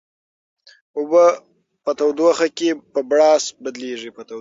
اوبه په تودوخه کې په بړاس بدلیږي.